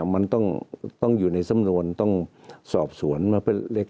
มันต้องอยู่ในสำนวนต้องสอบสวนมาเป็นเล็ก